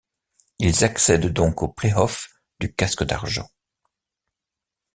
Ils accèdent donc aux play-offs du Casque d'argent.